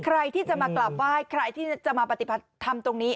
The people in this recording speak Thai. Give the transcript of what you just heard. ใครที่จะมากราบไหว้ใครที่จะมาปฏิบัติธรรมตรงนี้